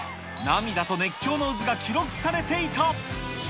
涙と熱狂の渦が記録されていた。